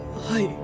はい。